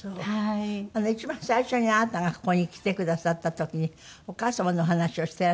一番最初にあなたがここに来てくださった時にお母様のお話をしてらっしゃるんですよ。